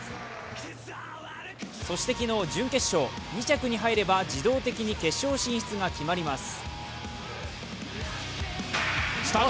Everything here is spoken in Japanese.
そして、昨日の準決勝、２着に入れば自動的に決勝進出が決まります。